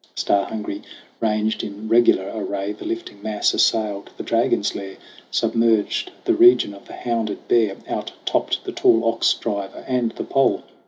Star hungry, ranged in regular array, The lifting mass assailed the Dragon's lair, Submerged the region of the hounded Bear, Out topped the tall Ox Driver and the Pole.